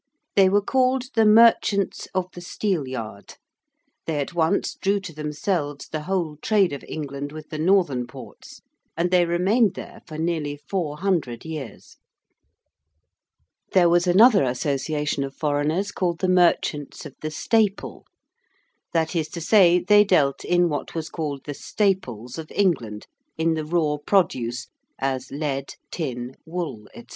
They were called the Merchants of the Steelyard: they at once drew to themselves the whole trade of England with the northern ports: and they remained there for nearly 400 years. There was another association of foreigners called the Merchants of the Staple. That is to say, they dealed in what was called the 'staples' of England in the raw produce, as lead, tin, wool, &c.